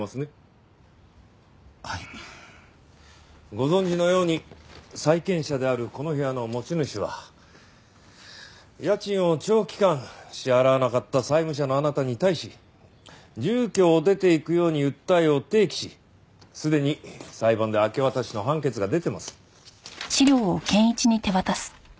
ご存じのように債権者であるこの部屋の持ち主は家賃を長期間支払わなかった債務者のあなたに対し住居を出ていくように訴えを提起しすでに裁判で明け渡しの判決が出てます。